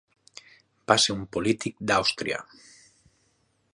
Va ser un polític d'Àustria.